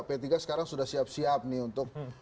p tiga sekarang sudah siap siap nih untuk